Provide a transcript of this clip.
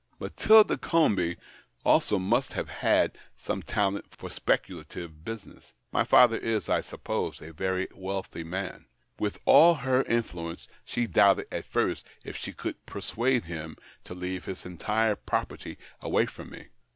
Matilda Comby also must have had some talent for speculative business. My father is, I suppose, a very wealthy man. With all her influence she doubted at first if she could persuade him to leave his entire property away from me.